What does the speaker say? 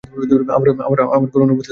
আমার করুণ অবস্থা দেখে তার মায়া হল।